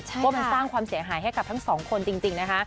ว่ามันสร้างความเสียหายให้กับทั้งสองคนจริงนะคะ